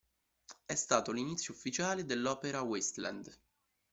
È stato l'inizio ufficiale dell’opera Wasteland.